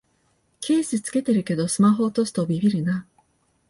ケース付けてるけどスマホ落とすとビビるな